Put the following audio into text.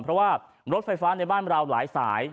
เพราะว่ารถไฟฟ้าในบ้านเราหลายสาย